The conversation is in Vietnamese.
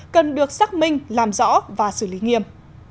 cần được xác minh làm rõ và xử lý nghiêm